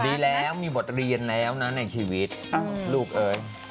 ดีแล้วมีบทเรียนแล้วนะในชีวิตลูกเอ้ย